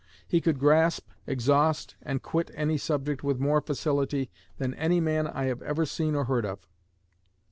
He could grasp, exhaust, and quit any subject with more facility than any man I have ever seen or heard of."